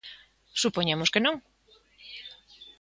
Supoñemos que non.